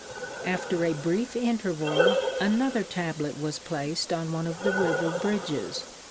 After a brief interval another tablet was placed on one of the river bridges.